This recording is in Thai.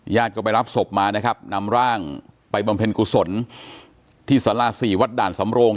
ก็ไปรับศพมานะครับนำร่างไปบำเพ็ญกุศลที่สาราสี่วัดด่านสำโรง